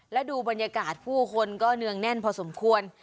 และดูบรรยากาศผู้คนก็เนืองแน่นพอสมควร